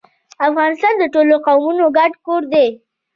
افغانستان د ټولو قومونو ګډ کور دی.